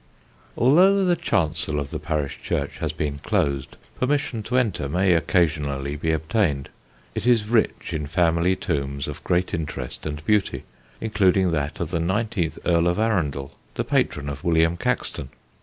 Although the chancel of the parish church has been closed, permission to enter may occasionally be obtained. It is rich in family tombs of great interest and beauty, including that of the nineteenth Earl of Arundel, the patron of William Caxton.